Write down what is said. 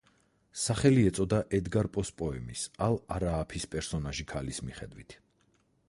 სახელი ეწოდა ედგარ პოს პოემის „ალ–არააფის“ პერსონაჟი ქალის მიხედვით.